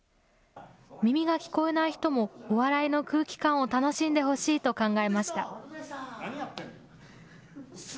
耳が聞こえない人も、お笑いの空気感を楽しんでほしいと考えました。